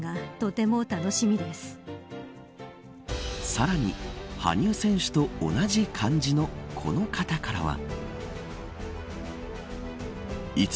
さらに羽生選手と同じ漢字の、この方からは。